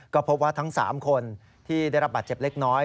ก็พบว่าทั้ง๓คนที่ได้รับบาดเจ็บเล็กน้อย